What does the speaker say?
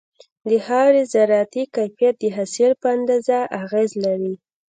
د خاورې زراعتي کيفيت د حاصل په اندازه اغېز لري.